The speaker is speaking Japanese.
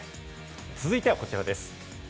続いてはこちらです。